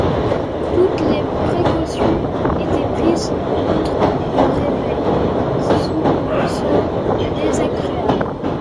Toutes les précautions étaient prises contre le réveil, soubresaut désagréable.